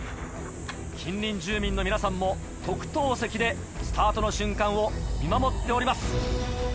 近隣住民の皆さんも特等席でスタートの瞬間を見守っております。